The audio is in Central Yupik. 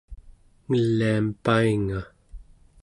ngeliam painga